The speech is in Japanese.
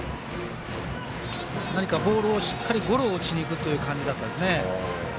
何かボールを、しっかりゴロを打ちにいくという感じでしたね。